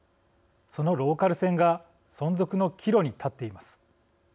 そのローカル線が存続の岐路に立っています。